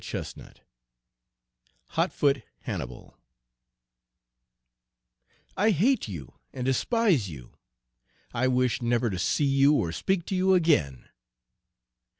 Page 195 HOT FOOT HANNIBAL "I HATE you and despise you! I wish never to see you or speak to you again!"